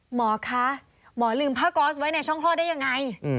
หมอคะหมอลืมผ้าก๊อสไว้ในช่องคลอดได้ยังไง